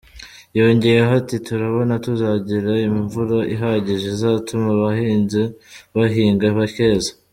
Yongeho ati “Turabona tuzagira imvura ihagije izatuma abahinzi bahinga bakeza”.